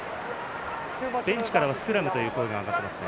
ベンチからはスクラムという声が上がりました。